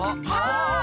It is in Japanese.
あ！